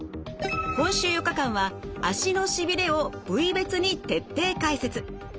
今週４日間は足のしびれを部位別に徹底解説。